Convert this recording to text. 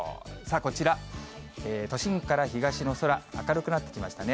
こちら、都心から東の空、明るくなってきましたね。